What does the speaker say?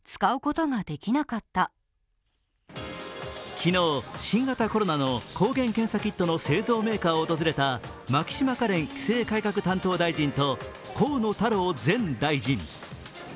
昨日、新型コロナの抗原検査キットの製造現場を訪れた牧島かれん規制改革担当大臣と河野太郎前大臣。